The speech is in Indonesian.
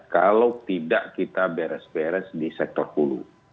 kalau tidak kita beres beres di sektor hulu